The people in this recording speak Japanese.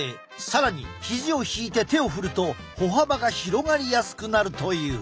更にヒジを引いて手を振ると歩幅が広がりやすくなるという。